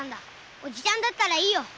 おじちゃんだったらいいよ。